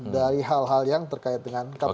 dari hal hal yang terkait dengan kpk